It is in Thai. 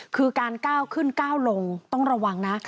คือการก้าวขึ้นก้าวลงต้องระวังนะ